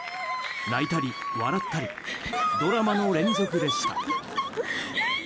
泣いたり、笑ったりドラマの連続でした。